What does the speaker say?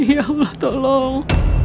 ya allah tolong